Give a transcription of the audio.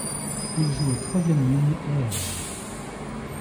Il jouait troisième ligne aile.